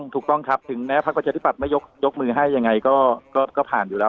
ถูกต้องครับถึงแม้พักประชาธิบัตย์ไม่ยกมือให้ยังไงก็ผ่านอยู่แล้ว